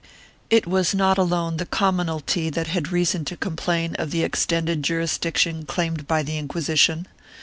It was not alone the commonalty that had reason to complain of the extended jurisdiction claimed by the Inquisition.